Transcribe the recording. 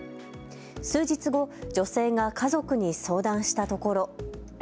数日後、女性が家族に相談したところ。